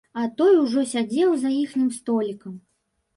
А той ужо сядзеў за іхнім столікам.